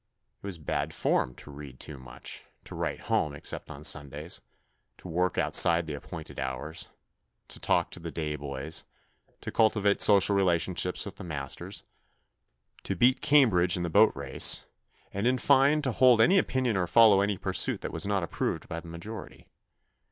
It was bad form to read too much, to write home except on Sundays, to work outside the appointed hours, to talk to the day boys, to cultivate social relationships with the masters, to be THE NEW BOY 65 Cambridge in the boat race, and in fine to hold any opinion or follow any pursuit that was not approved by the majority.